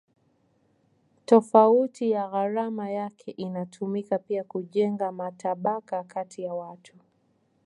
Tofauti ya gharama yake inatumika pia kujenga matabaka kati ya watu.